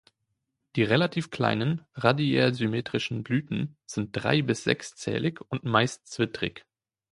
Die relativ kleinen, radiärsymmetrischen Blüten sind drei- bis sechszählig und meist zwittrig.